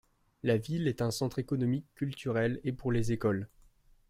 La ville est un centre économique, culturel et pour les écoles.